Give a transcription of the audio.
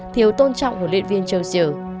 thiếu tôn trọng của luyện viên chausseur